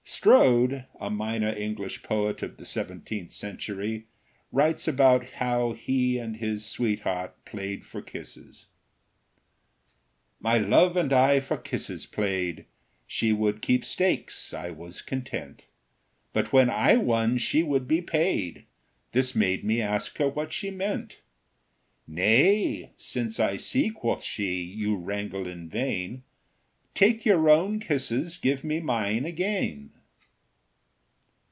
Strode, a minor English poet of the seventeenth century, writes about how he and his sweetheart played for kisses: My love and I for kisses played, She would keep stakes, I was content; But when I won she would be paid— This made me ask her what she meant. Nay, since I see (quoth she) you wrangle in vain, Take your own kisses, give me mine again!